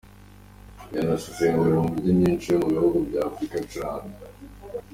Yanazengurutse mu Mijyi myinshi yo mu bihugu bya Afurika acuranga.